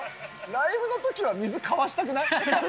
ライブのときは水かわしたくない？